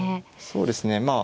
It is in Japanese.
そうですねまあ。